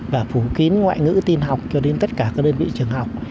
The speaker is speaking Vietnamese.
và phủ kiến ngoại ngữ tiên học cho đến tất cả các đơn vị trường học